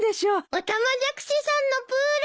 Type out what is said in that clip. オタマジャクシさんのプールです！